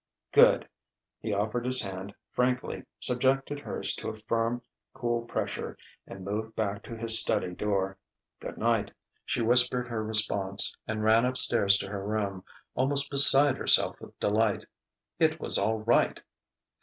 "Good!" He offered his hand frankly, subjected hers to a firm, cool pressure, and moved back to his study door. "Good night." She whispered her response, and ran upstairs to her room, almost beside herself with delight. It was all right!